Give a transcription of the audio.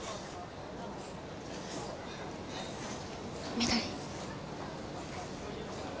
緑。